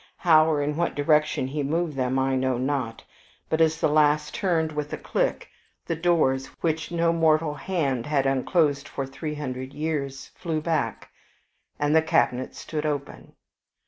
How or in what direction he moved them I know not; but as the last turned with a click, the doors, which no mortal hand had unclosed for three hundred years, flew back, and the cabinet stood open.